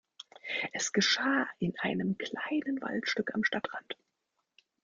Es geschah in einem kleinen Waldstück am Stadtrand.